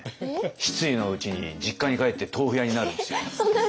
失意のうちに実家に帰って豆腐屋になるんですよ。